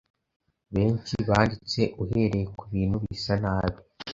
benshi banditse uhereye kubintu bisa nabi